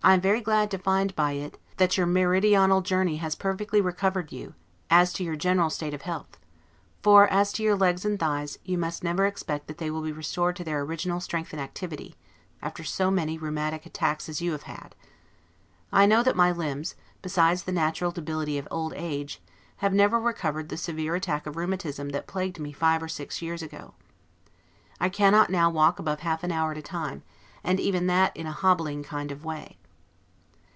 I am very glad to find by it, that your meridional journey has perfectly recovered you, as to your general state of health; for as to your legs and thighs, you must never expect that they will be restored to their original strength and activity, after so many rheumatic attacks as you have had. I know that my limbs, besides the natural debility of old age, have never recovered the severe attack of rheumatism that plagued me five or six years ago. I cannot now walk above half an hour at a time and even that in a hobbling kind of way.